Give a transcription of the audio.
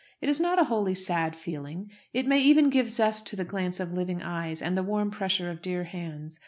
It is not a wholly sad feeling. It may even give zest to the glance of living eyes, and the warm pressure of dear hands.